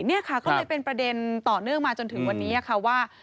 นี่ค่ะก็เลยเป็นประเด็นต่อเนื่องมาจนถึงวันนี้ค่ะว่า